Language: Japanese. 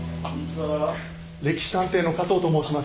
「歴史探偵」の加藤と申します。